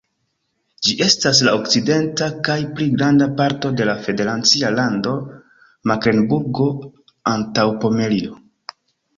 Ĝi estas la okcidenta kaj pli granda parto de la federacia lando Meklenburgo-Antaŭpomerio.